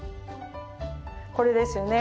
これですよね。